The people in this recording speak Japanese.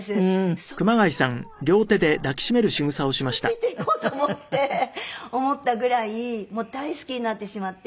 それがもう私はこの人に一生ついていこうと思って思ったぐらいもう大好きになってしまって。